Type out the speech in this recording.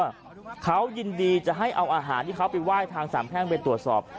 สังเกตในวงจรปิดมันคือเจ้าที่อยากจะขอให้เอาอาหารบางทุกครั้งที่เขาไปไว้ทางสามแพร่งเป็นตรวจสอบ